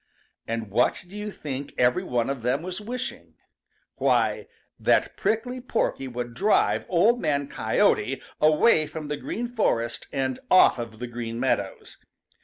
And what do you think every one of them was wishing? Why, that Prickly Porky would drive Old Man Coyote away from the Green Forest and off of the Green Meadows.